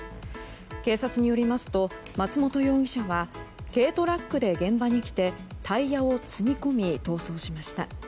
警察によりますと、松本容疑者は軽トラックで現場に来てタイヤを積み込み逃走しました。